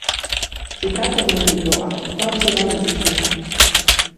Si tratta di un libro a tutt’oggi rarissimo.